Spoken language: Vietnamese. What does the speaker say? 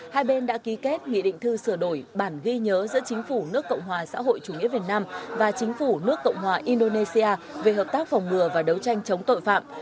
hai bên đã ký kết nghị định thư sửa đổi bản ghi nhớ giữa chính phủ nước cộng hòa xã hội chủ nghĩa việt nam và chính phủ nước cộng hòa indonesia về hợp tác phòng ngừa và đấu tranh chống tội phạm